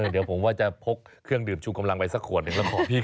เดี๋ยวผมว่าจะพกเครื่องดื่มชูกำลังไปสักขวดหนึ่งแล้วบอกพี่